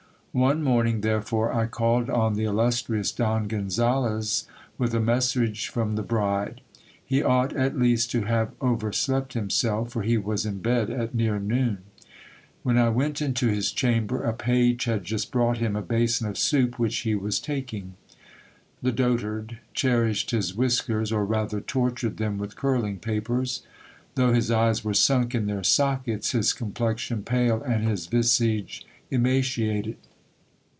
One morning, therefore, I called on the illustrious Don Gonzales with a message from the "*•. He ought at least to have over slept himself, for he was in bed at near noon. i 4 6 GIL BLAS. When I went into his chamber, a page had just brought him a basin of soup which he was taking. The dotard cherished his whiskers, or rather tortured them with curling papers ; though his eyes were sunk in their sockets, his complexion pale, and his visage emaciated.